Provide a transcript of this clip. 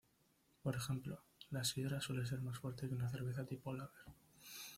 Por ejemplo, la sidra suele ser más fuerte que una cerveza tipo lager.